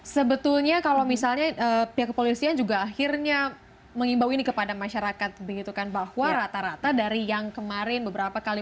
sebetulnya kalau misalnya pihak kepolisian juga akhirnya mengimbau ini kepada masyarakat begitu kan bahwa rata rata dari yang kemarin beberapa kali